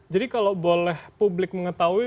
jadi kalau boleh publik mengetahui